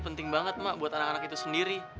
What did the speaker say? penting banget mak buat anak anak itu sendiri